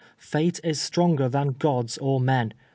fate is stronger than gods or men.